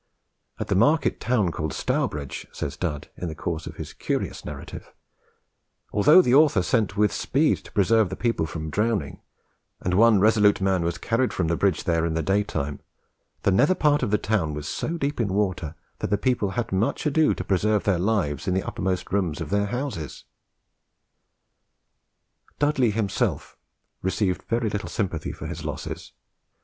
"At the market town called Stourbridge," says Dud, in the course of his curious narrative, "although the author sent with speed to preserve the people from drowning, and one resolute man was carried from the bridge there in the day time, the nether part of the town was so deep in water that the people had much ado to preserve their lives in the uppermost rooms of their houses." Dudley himself received very little sympathy for his losses.